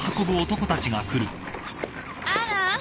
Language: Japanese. あら。